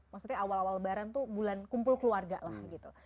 maksudnya awal awal lebaran tuh bulan kumpul keluarga lah gitu